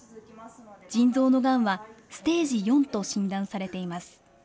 腎臓のがんはステージ４と診断されています。